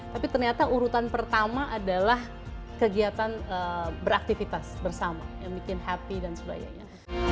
tapi ternyata urutan pertama adalah kegiatan beraktivitas bersama yang bikin happy dan sebagainya